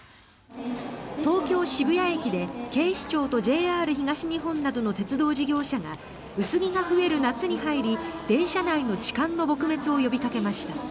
東京・渋谷駅で警視庁とＪＲ東日本などの鉄道事業者が薄着が増える夏に入り電車内の痴漢の撲滅を呼びかけました。